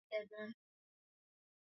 Sielewi maneno magumu